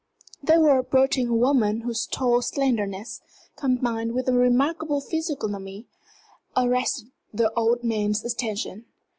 They were approaching a woman whose tall slenderness, combined with a remarkable physiognomy, arrested the old man's attention.